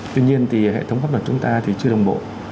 tuy nhiên thì hệ thống pháp luật chúng ta thì chưa đồng bộ